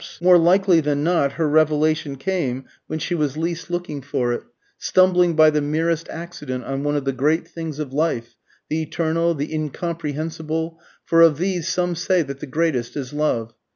More likely than not her revelation came when she was least looking for it, stumbling by the merest accident on one of "the great things of life," the eternal, the incomprehensible; for of these some say that the greatest is love.